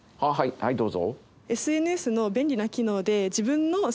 はいどうぞ。